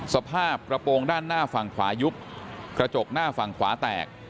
สภาพกระโปรงด้านหน้าฝั่งขวายุบกระจกหน้าฝั่งขวาแตก